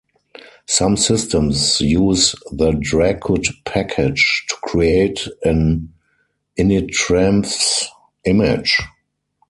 Some systems use the dracut package to create an initramfs image.